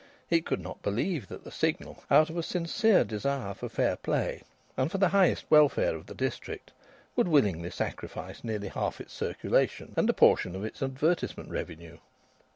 It could not believe that the Signal, out of a sincere desire for fair play and for the highest welfare of the district, would willingly sacrifice nearly half its circulation and a portion of its advertisement revenue.